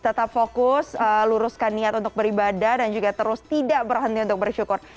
tetap fokus luruskan niat untuk beribadah dan juga terus tidak berhenti untuk bersyukur